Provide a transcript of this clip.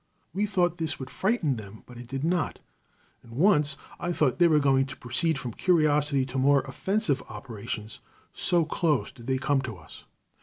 We thought this would frighten them, but it did not, and once I thought they were going to proceed from curiosity to more offensive operations, so close did they come to us.